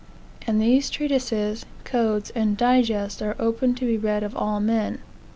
And these treatises, codes, and digests are open to be read of all men.